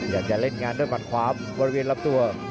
อยากจะเล่นงานด้วยฝั่งความบริเวณรับตัว